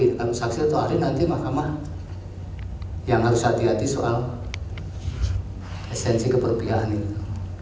kalau saksi atau hari nanti mahkamah yang harus hati hati soal esensi keperpihakan itu